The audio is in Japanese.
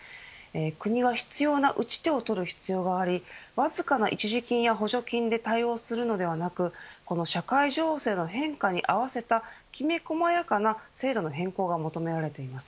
国は必要な打ち手を取る必要がありわずかな一時金や補助金で対応するのではなくこの社会情勢の変化に合わせたきめ細やかな制度の変更が求められています。